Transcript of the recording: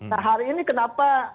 nah hari ini kenapa